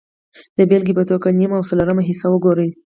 د بېلګې په توګه نیم او څلورمه حصه وګورئ